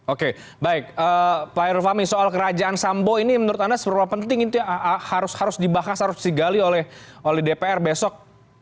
oke baik pak heru fahmi soal kerajaan sambo ini menurut anda seberapa penting itu yang harus dibahas harus digali oleh dpr besok